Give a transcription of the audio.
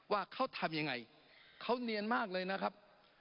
ว่าเขาทำยังไงเขาเนียนมากเลยนะครับ